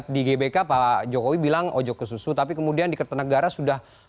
di gbk pak jokowi bilang ojok ke susu tapi kemudian di kertanegara sudah